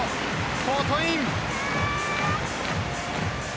コートイン。